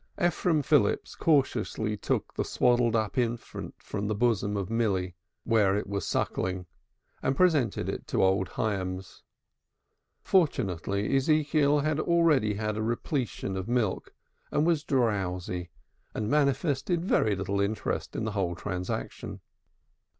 Ephraim Phillips cautiously took the swaddled up infant from the bosom of Milly where it was suckling and presented it to old Hyams. Fortunately Ezekiel had already had a repletion of milk, and was drowsy and manifested very little interest in the whole transaction.